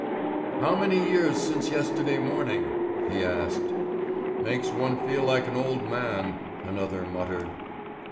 "How many years since yesterday morning?" he asked. "Makes one feel like an old man," another muttered.